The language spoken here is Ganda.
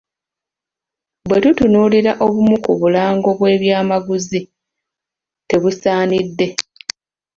"Bwe tutunuulira obumu ku bulango bw'ebyamaguzi, tebusaanidde."